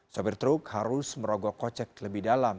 sopir truk harus merogoh kocek lebih dalam